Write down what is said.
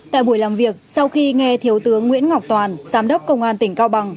tại buổi làm việc sau khi nghe thiếu tướng nguyễn ngọc toàn giám đốc công an tỉnh cao bằng